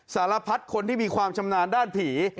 สารพัดคนที่มีความชำนาญด้านผี